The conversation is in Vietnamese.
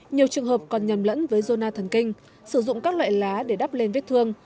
nhiều trường hợp còn nhầm lẫn với zona thần kinh sử dụng các loại lá để đắp lên vết thương